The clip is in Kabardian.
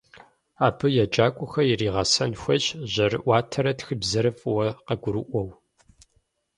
Абы еджакӏуэхэр иригъэсэн хуейщ жьэрыӏуатэри тхыбзэри фӏыуэ къагурыӏуэу.